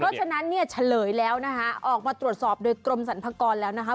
เพราะฉะนั้นเนี่ยเฉลยแล้วนะคะออกมาตรวจสอบโดยกรมสรรพากรแล้วนะคะ